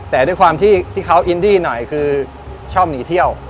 แต่ด้วยความที่เขาอินดี้หน่อยคือชอบหนีเที่ยว